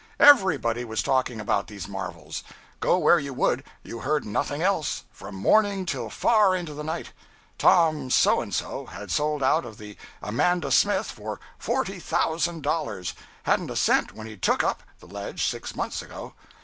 Everybody was talking about these marvels. Go where you would, you heard nothing else, from morning till far into the night. Tom So and So had sold out of the "Amanda Smith" for $40,000—hadn't a cent when he "took up" the ledge six months ago.